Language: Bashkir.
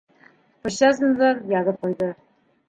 Присяжныйҙар яҙып ҡуйҙы: